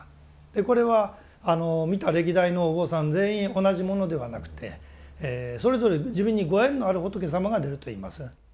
これは見た歴代のお坊さん全員同じものではなくてそれぞれ自分にご縁のある仏様が出るといいます。